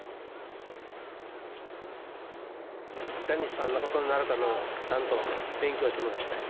いかに悲惨なことになるかを、ちゃんと勉強してもらいたい。